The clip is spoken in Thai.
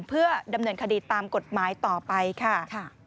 เพื่อดำเนินคดีตามกฎหมายต่อไปค่ะ